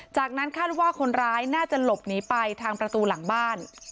จากนั้นคาดว่าคนร้ายน่าจะหลบหนีไปทางประตูหลังบ้าน